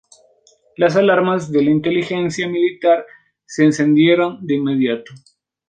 Las alarmas de la inteligencia militar se encendieron de inmediato.